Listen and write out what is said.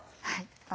はい。